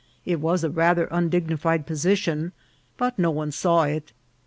It was rather an undignified position, but no one saw it.